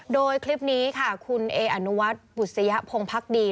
โดยคลิปนี้ค่ะคุณเออนุวัฒน์บุษยพงภักดี